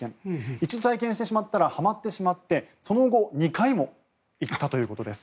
一度体験してしまったらはまってしまってその後、２回も行ったということです。